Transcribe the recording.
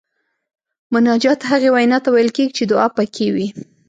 مناجات هغې وینا ته ویل کیږي چې دعا پکې وي.